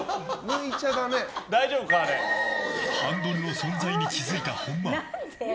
ハンドルの存在に気付いた本間。